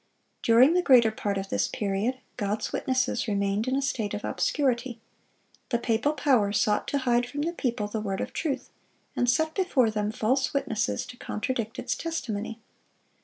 During the greater part of this period, God's witnesses remained in a state of obscurity. The papal power sought to hide from the people the Word of truth, and set before them false witnesses to contradict its testimony.